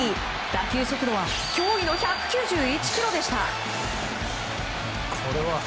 打球速度は驚異の１９１キロでした。